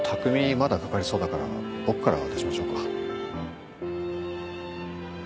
まだかかりそうだから僕から渡しましょうか？